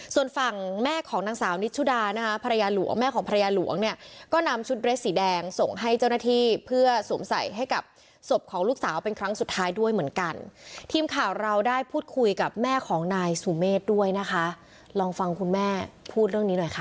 ส่วนฝั่งแม่ของนางสาวนิชชุดานะคะภรรยาหลวงแม่ของภรรยาหลวงเนี่ยก็นำชุดเรสสีแดงส่งให้เจ้าหน้าที่เพื่อสวมใส่ให้กับศพของลูกสาวเป็นครั้งสุดท้ายด้วยเหมือนกันทีมข่าวเราได้พูดคุยกับแม่ของนายสุเมฆด้วยนะคะลองฟังคุณแม่พูดเรื่องนี้หน่อยค่ะ